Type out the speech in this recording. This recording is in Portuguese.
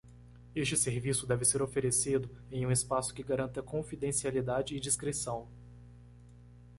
Este serviço deve ser oferecido em um espaço que garanta confidencialidade e discrição.